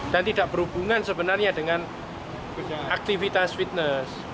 dan tidak berhubungan sebenarnya dengan aktivitas fitness